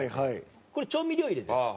これ調味料入れです。